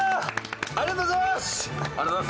ありがとうございます！